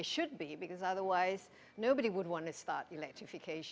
tidak ada yang ingin memulai elektrifikasi